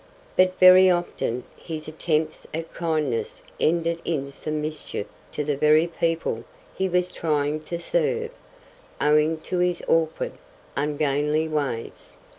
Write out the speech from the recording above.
But very often his attempts at kindness ended in some mischief to the very people he was trying to serve, owing to his awkward, ungainly ways.